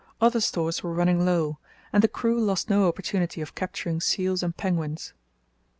Other stores were running low, and the crew lost no opportunity of capturing seals and penguins.